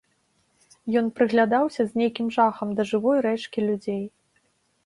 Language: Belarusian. Ён прыглядаўся з нейкім жахам да жывой рэчкі людзей.